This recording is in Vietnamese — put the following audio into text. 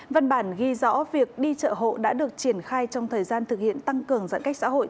văn bản ghi rõ việc đi chợ hộ đã được triển khai trong thời gian thực hiện tăng cường giãn cách xã hội